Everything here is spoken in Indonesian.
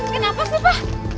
kenapa sih pak